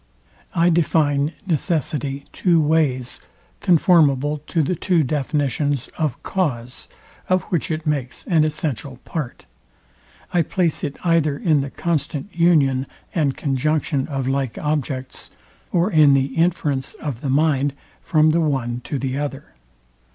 I define necessity two ways, conformable to the two definitions of cause, of which it makes an essential part. I place it either in the constant union and conjunction of like objects, or in the inference of the mind from the one to the other.